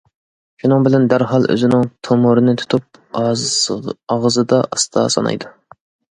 شۇنىڭ بىلەن دەرھال ئۆزىنىڭ تومۇرىنى تۇتۇپ، ئاغزىدا ئاستا سانايدۇ.